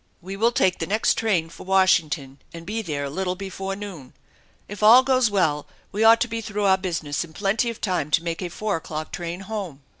We will take the next train for Washington and be there a little before noon. If all goes well we ought to be through our business in plenty of time to make a four o'clock train home.